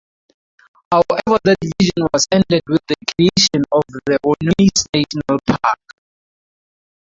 However that vision was ended with the creation of the Vanoise National Park.